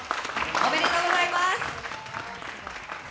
ありがとうございます！